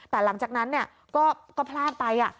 แต่หลังจากนั้นก็พลาดไป